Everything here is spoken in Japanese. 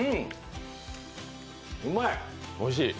うまい。